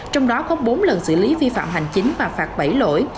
trong đó có bốn lần xử lý vi phạm hành chính và phạt bảy lỗi